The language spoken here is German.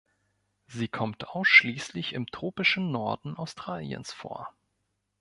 Sie kommt ausschließlich im tropischen Norden Australiens vor.